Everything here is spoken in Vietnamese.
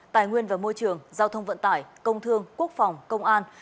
tài nguyên và môi trường giao thông vận tải công thương quốc phòng công an